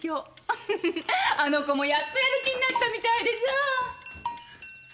あの子もやっとやる気になったみたいでさ。